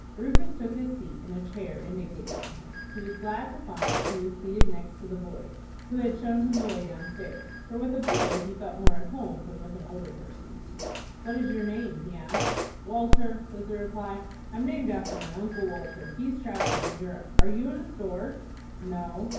Rufus took his seat in a chair indicated to him. He was glad to find that he was seated next to the boy, who had shown him the way downstairs, for with a boy he felt more at home than with an older person. "What is your name?" he asked. "Walter," was the reply. "I'm named after my Uncle Walter. He's travelling in Europe. Are you in a store?" "No."